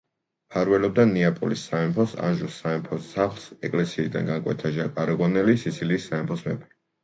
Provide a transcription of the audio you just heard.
მფარველობდა ნეაპოლის სამეფოს, ანჟუს სამეფო სახლს, ეკლესიიდან განკვეთა ჟაკ არაგონელი, სიცილიის სამეფოს მეფე.